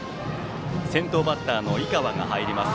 先頭バッターの井川が入ります。